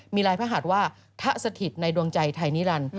มีลายพระหัสว่าทะสถิตในดวงใจไทยนิรันดิ์